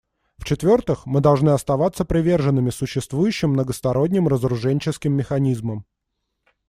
В-четвертых, мы должны оставаться приверженными существующим многосторонним разоруженческим механизмам.